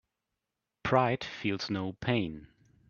Pride feels no pain.